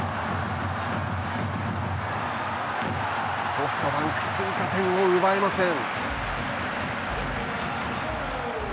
ソフトバンク追加点を奪えません。